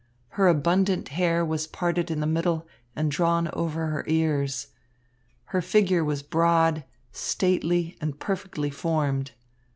Her abundant hair was parted in the middle and drawn over her ears. Her figure was broad, stately, and perfectly formed.